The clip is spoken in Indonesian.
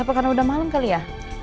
karena udah malem kali ya